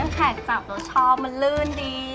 แขกจับแล้วชอบมันลื่นดี